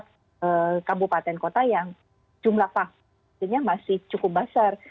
ada kabupaten kota yang jumlah vaksinnya masih cukup besar